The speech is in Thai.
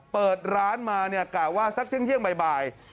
เปิดร้านมาเนี่ยกล่าวว่าสักเที่ยงบ่าย